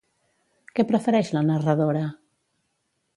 Què prefereix la narradora?